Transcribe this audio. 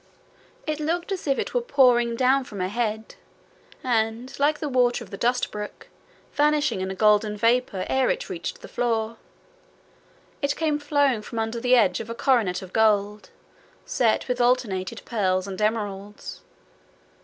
It looked as if it were pouring down from her head, and, like the water of the Dustbrook, vanishing in a golden vapour ere it reached the floor. It came flowing from under the edge of a coronet of gold, set with alternated pearls and emeralds.